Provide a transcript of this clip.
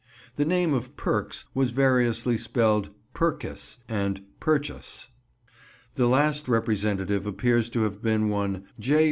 The name of Perkes was variously spelled "Purkis" and "Purchas." The last representative appears to have been one "J.